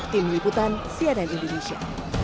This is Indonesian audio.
tim liputan sia dan indonesia